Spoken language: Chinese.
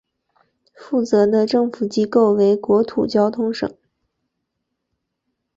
负责的政府机构为国土交通省。